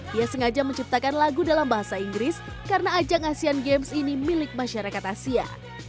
dia sengaja menciptakan lagu dalam bahasa inggris karena ajang asean games ini milik masyarakat asia